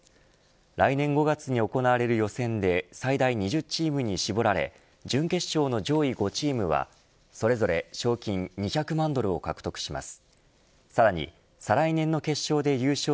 来年５月に行われる予選で最大２０チームに絞られ準決勝の上位５チームはそれぞれ賞金２００万ドルを獲得します。